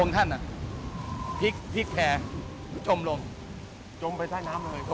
องค์ท่านพิกแผลจมลงจมไปใต้น้ำเลย